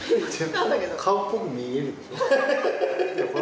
顔っぽく見えるでしょ。